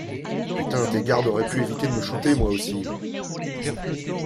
Putain tes gardes auraient pu éviter de me shooter moi aussi.